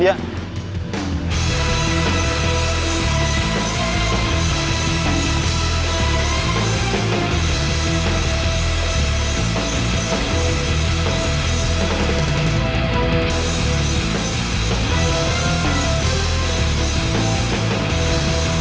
lihat di jembatan